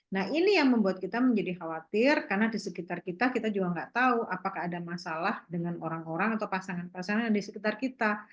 nah ini yang membuat kita menjadi khawatir karena di sekitar kita kita juga nggak tahu apakah ada masalah dengan orang orang atau pasangan pasangan yang ada di sekitar kita